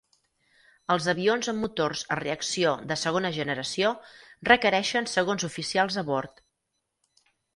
Els avions amb motors a reacció de segona generació requereixen segons oficials a bord.